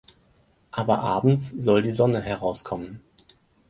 Aber Abends soll die Sonne heraus kommen.